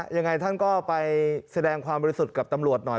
ยังไงท่านก็ไปแสดงความบริสุทธิ์กับตำรวจหน่อย